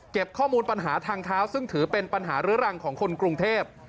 ข้อมูลปัญหาทางเท้าซึ่งถือเป็นปัญหาเรื้อรังของคนกรุงเทพ